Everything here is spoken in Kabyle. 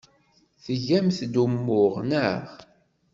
Tgamt-d umuɣ, naɣ?